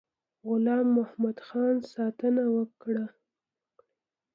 غلام محمدخان ساتنه وکړي.